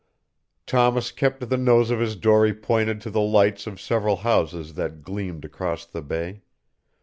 Thomas kept the nose of his dory pointed to the lights of several houses that gleamed across the bay.